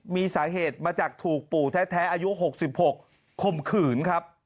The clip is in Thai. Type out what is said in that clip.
มีสาเหตุมาจากถูกปู่แท้อายุ๖๖คมขืนครับ